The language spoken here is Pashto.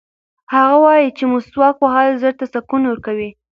هغه وایي چې مسواک وهل زړه ته سکون ورکوي.